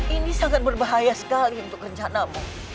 ini sangat berbahaya sekali untuk rencanamu